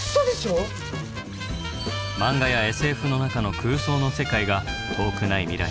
マンガやＳＦの中の空想の世界が遠くない未来